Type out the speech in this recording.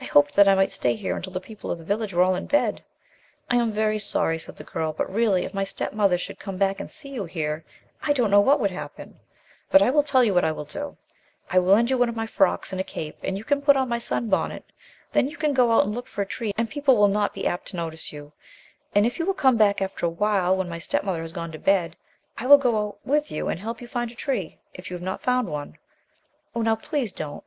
I hoped that I might stay here until the people of the village were all in bed." "I am very sorry," said the girl, "but really, if my step mother should come back and see you here I don't know what would happen ; but I will tell you what I will do: I will lend you one of my frocks and a cape, and you can put on my sun bonnet ; then you can go out and look for a tree and people will not be apt to notice you, and if you will come back after a while, when my step mother has gone to bed, I will go out with you and help you to find a tree if you have not found one. Oh, now please don't